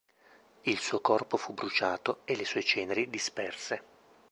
Il suo corpo fu bruciato e le sue ceneri disperse.